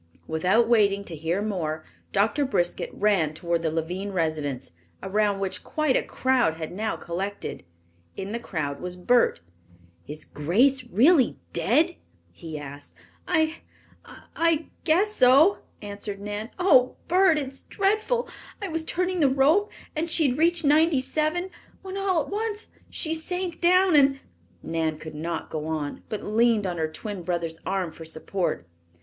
Without waiting to hear more, Doctor Briskett ran toward the Lavine residence, around which quite a crowd had now collected. In the crowd was Bert. "Is Grace really dead?" he asked. "I I guess so," answered Nan. "Oh, Bert, it's dreadful! I was turning the rope and she had reached ninety seven, when all at once she sank down, and " Nan could not go on, but leaned on her twin brother's arm for support.